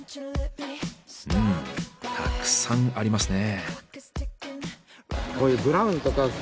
うんたくさんありますね。